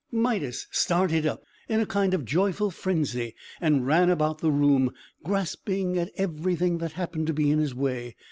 Midas started up, in a kind of joyful frenzy, and ran about the room, grasping at everything that happened to be in his way.